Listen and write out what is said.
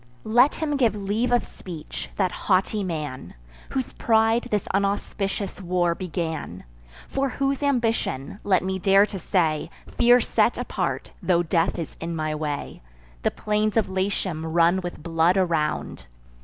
Let him give leave of speech, that haughty man, Whose pride this unauspicious war began; For whose ambition (let me dare to say, Fear set apart, tho' death is in my way) The plains of Latium run with blood around.